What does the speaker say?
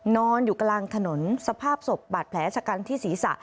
นอนอยู่กลางถนนสภาพศพบาดแผลชะกันที่ศีรษะ